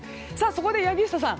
そこで柳下さん